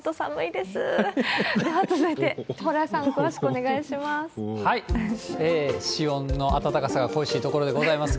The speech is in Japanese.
では続いて、蓬莱さん、よろしくお願いします。